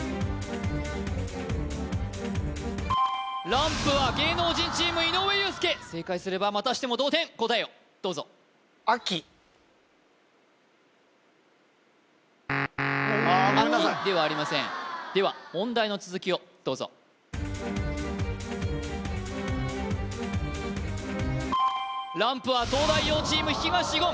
ランプは芸能人チーム井上裕介正解すればまたしても同点答えをどうぞ秋ではありませんでは問題の続きをどうぞランプは東大王チーム東言